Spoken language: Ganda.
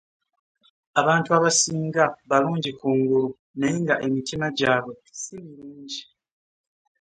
Abantu abasinga balungi kungulu naye nga emitima gyaabwe simirungi.